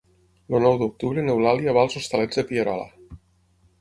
El nou d'octubre n'Eulàlia va als Hostalets de Pierola.